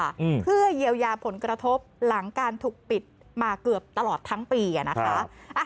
อืมเพื่อเยียวยาผลกระทบหลังการถูกปิดมาเกือบตลอดทั้งปีอ่ะนะคะอ่ะ